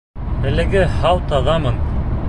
Әлегә һау-таҙамын.